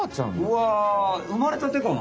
うわ生まれたてかな？